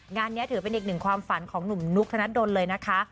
งานนี้ถือเป็นอีกหนึ่งความฝันของหนุ่มนุกธนัดดนเลยนะคะ